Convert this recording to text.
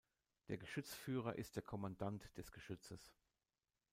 Der Geschützführer ist der Kommandant des Geschützes.